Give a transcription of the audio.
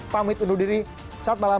pamit undur diri selamat malam